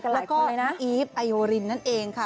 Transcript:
แล้วก็น้องอีฟไอโยรินนั่นเองค่ะ